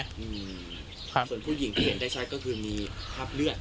อืมส่วนผู้หญิงที่เห็นได้ชัดก็คือมีคราบเลือด